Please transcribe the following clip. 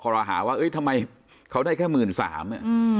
คคอค่รหาว่าเฮ้ยทำไมเขาได้แค่หมื่นสามเนี้ยอืม